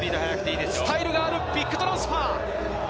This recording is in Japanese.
スタイルがあるビッグトランスファー。